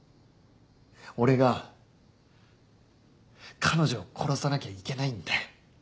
俺が彼女を殺さなきゃいけないんだ。